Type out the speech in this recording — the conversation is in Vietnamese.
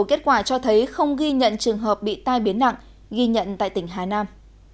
kết quả cho thấy không ghi nhận trường hợp bị tai biến nặng ghi nhận tại tỉnh hà nam